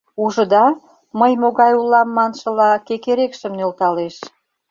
«Ужыда, мый могай улам» маншыла, кекерекшым нӧлталеш.